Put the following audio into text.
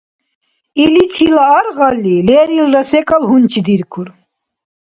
Иличила аргъалли, лерилра секӀал гьунчидиркур.